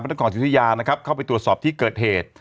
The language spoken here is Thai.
นครสุธิยานะครับเข้าไปตรวจสอบที่เกิดเหตุ